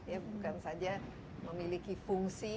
ya bukan saja memiliki fungsi